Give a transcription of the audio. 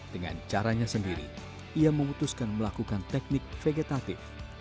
dengan caranya sendiri ia memutuskan melakukan teknik vegetatif